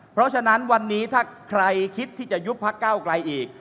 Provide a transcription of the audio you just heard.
เพราะฉะนั้นวันนี้ถ้าใครคิดที่จะยุบพักเก้าไกลอีก